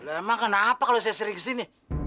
emang kenapa kalau saya sering kesini